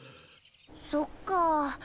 そっかあ。